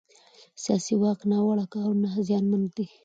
د سیاسي واک ناوړه کارونه زیانمن دي